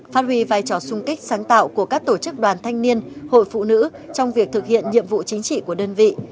phát huy vai trò sung kích sáng tạo của các tổ chức đoàn thanh niên hội phụ nữ trong việc thực hiện nhiệm vụ chính trị của đơn vị